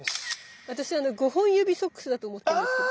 私５本指ソックスだと思ってるんですけど。